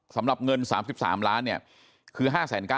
สำหรับเงิน๓๓ล้านเนี่ยคือ๕๙๐๐